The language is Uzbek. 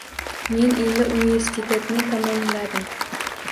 Men endi universitetni tamomladim.